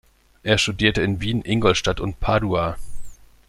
Er studierte in Wien, Ingolstadt und Padua.